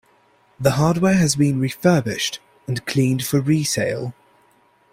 The hardware has been refurbished and cleaned for resale.